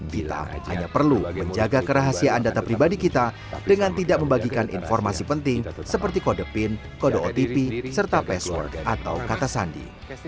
bita hanya perlu menjaga kerahasiaan data pribadi kita dengan tidak membagikan informasi penting seperti kode pin kode otp serta password atau kata sandi